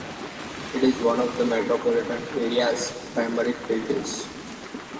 It is one of the metropolitan area's primary freeways.